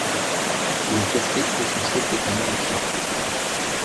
Il est casqué et son sexe est en érection.